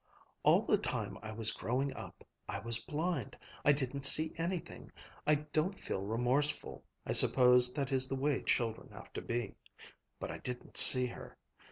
"All the time I was growing up, I was blind, I didn't see anything. I don't feel remorseful, I suppose that is the way children have to be. But I didn't see her.